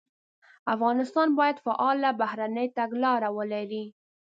افغانستان باید فعاله بهرنۍ تګلاره ولري.